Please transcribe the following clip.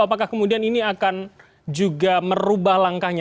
apakah kemudian ini akan juga merubah langkahnya